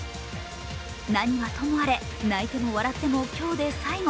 何はともあれ泣いても笑っても今日で最後。